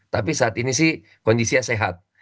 tapi saat ini sih kondisinya sehat